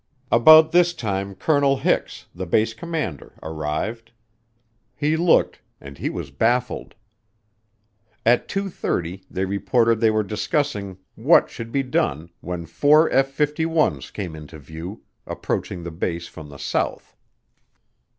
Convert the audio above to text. About this time Colonel Hix, the base commander, arrived. He looked and he was baffled. At two thirty, they reported, they were discussing what should be done when four F 51's came into view, approaching the base from the south.